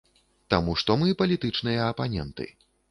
Таму што мы палітычныя апаненты.